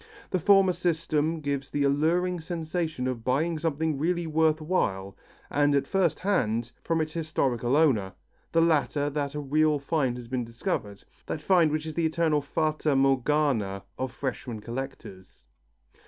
The former system gives the alluring sensation of buying something really worth while, and at first hand, from its historical owner; the latter that a real find has been discovered, that find which is the eternal fata Morgana of freshman collectors.